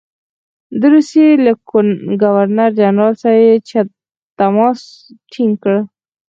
د روسیې له ګورنر جنرال سره یې تماس ټینګ کړ.